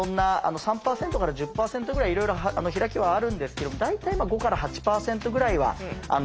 ３％から１０％ぐらいいろいろ開きはあるんですけども大体５から８％ぐらいは人口の中でいるんじゃないかと。